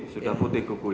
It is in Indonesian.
sudah putih kuku ya